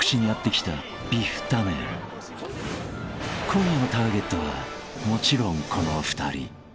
［今夜のターゲットはもちろんこの２人］